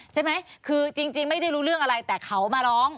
ใช่ไหมคือจริงไม่ได้รู้เรื่องอะไรแต่เขามาร้อง